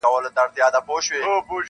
مدرسې به وي تړلي ورلوېدلي وي قلفونه -